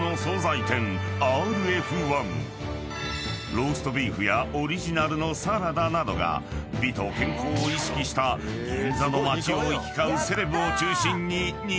［ローストビーフやオリジナルのサラダなどが美と健康を意識した銀座の街を行き交うセレブを中心に人気に］